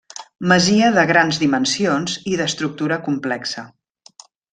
Masia de grans dimensions i d'estructura complexa.